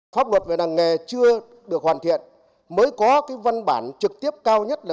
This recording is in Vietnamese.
pháp luật về làng nghề chưa được hoàn thiện mới có cái văn bản trực tiếp cao nhất là